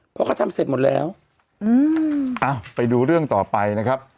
เพราะเขาทำเสร็จหมดแล้วอืมอ้าวไปดูเรื่องต่อไปนะครับ